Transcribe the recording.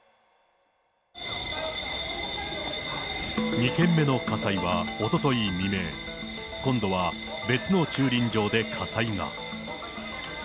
２件の火災はおととい未明、今度は別の駐輪場で火災が。